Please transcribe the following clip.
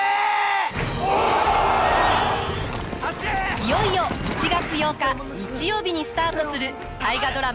いよいよ１月８日日曜日にスタートする大河ドラマ